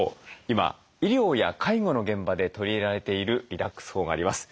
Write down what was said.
今医療や介護の現場で取り入れられているリラックス法があります。